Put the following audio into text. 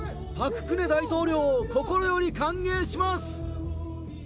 パク・クネ大統領を心より歓迎します。